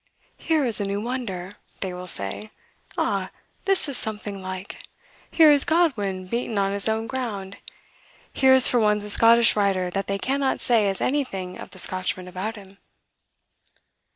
'Here is a new wonder!' they will say. 'Ah, this is something like! Here is Godwin beaten on his own ground. .. Here is for once a Scottish writer that they cannot say has anything of the Scotchman about him.